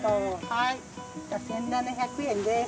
１，７００円です。